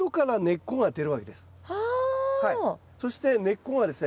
そして根っこがですね